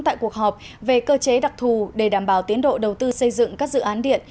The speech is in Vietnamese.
tại cuộc họp về cơ chế đặc thù để đảm bảo tiến độ đầu tư xây dựng các dự án điện